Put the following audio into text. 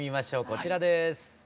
こちらです。